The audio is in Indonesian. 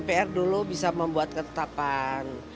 misalnya mpr dulu bisa membuka kepentingan